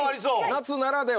夏ならでは。